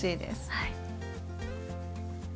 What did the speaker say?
はい。